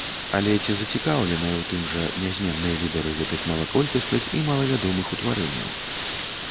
Але ці зацікаўленыя ў тым жа нязменныя лідары гэтых малаколькасных і малавядомых утварэнняў?